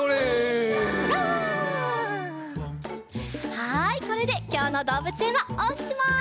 はいこれできょうのどうぶつえんはおしまい。